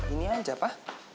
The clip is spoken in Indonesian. ini aja pa